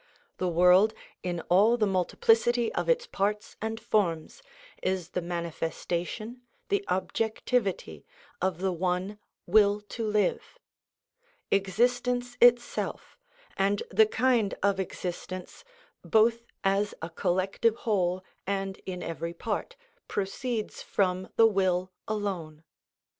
The world, in all the multiplicity of its parts and forms, is the manifestation, the objectivity, of the one will to live. Existence itself, and the kind of existence, both as a collective whole and in every part, proceeds from the will alone.